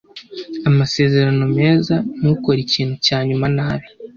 Amasezerano meza ntukore ikintu cya nyuma nabi